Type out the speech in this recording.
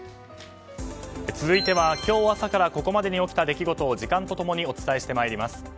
続いては今日朝からここまでに起きた出来事を時間と共にお伝えしてまいります。